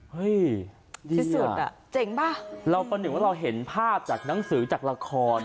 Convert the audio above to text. ที่สุดอ่ะเจ๋งป่ะเราประหนึ่งว่าเราเห็นภาพจากหนังสือจากละคร